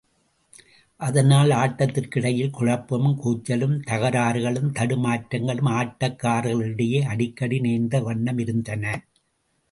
அதனால் ஆட்டத்திற்கிடையில் குழப்பமும், கூச்சலும், தகராறுகளும், தடுமாற்றங்களும் ஆட்டக்காரர்களிடையே அடிக்கடி நேர்ந்த வண்ணமிருந்தன.